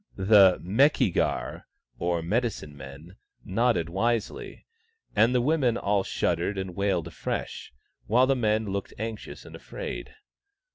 The Meki gar, or medicine men, nodded wisely, and the women all shuddered and wailed afresh, while the men looked anxious and afraid.